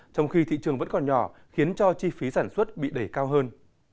trong khi thị trường vẫn còn nhỏ khiến cho chi phí sản xuất bị đẩy cao hơn